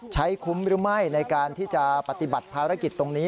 ใช้คุ้มหรือไม่ในการที่จะปฏิบัติภารกิจตรงนี้